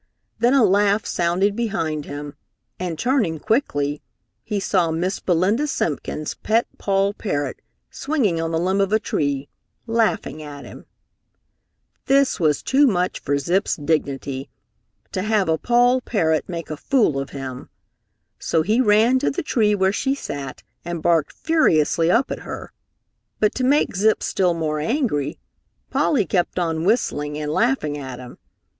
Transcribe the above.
Then a laugh sounded behind him and, turning quickly, he saw Miss Belinda Simpkin's pet Poll parrot swinging on the limb of a tree, laughing at him. This was too much for Zip's dignity. To have a Poll parrot make a fool of him! So he ran to the tree where she sat and barked furiously up at her. But to make Zip still more angry, Polly kept on whistling and laughing at him.